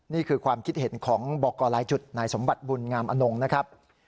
นี่คือความคิดเห็นของบอกกรหลายจุดนายสมบัติบุญงามอนงนะครับ